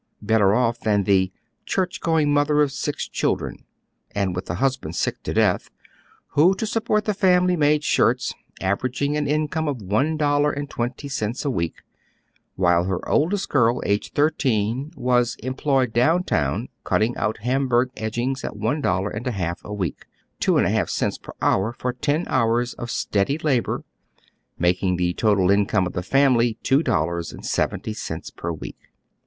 Better off than the " chnreh going mother of six children," and with a husband sick to death, who to support the family made shirts, averaging an income of one dollar and twenty cents a week, while Iier oldest girl, aged thirteen, was " employed down town cutting out Hamburg edgings at one dollar and a half a week — two and a half cents per hour for ten hours of steady labor — making the total income of the family two dollars and seventy cents per week."